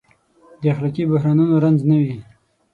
د اخلاقي بحرانونو رنځ نه وي.